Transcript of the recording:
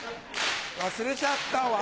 忘れちゃったわ。